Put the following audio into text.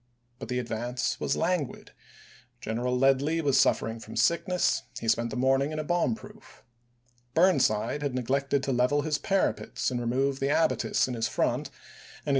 But the ad vance was languid. General Ledlie was suffering from sickness; he spent the morning in a bomb proof. Burnside had neglected to level his para Report pets and remove the abatis in his front, and his Committee x ...